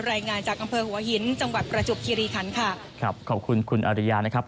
รายงานจากอำเภอหัวหินจังหวัดประจวบคิริคันค่ะครับขอบคุณคุณอริยานะครับ